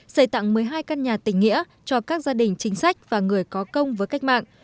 xây tặng một mươi hai căn nhà tình nghĩa cho các gia đình chính sách và người có công với cách mạng